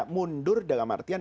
mundur dalam artian